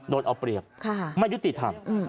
โดนเอาเปรียบไม่ยุติธรรม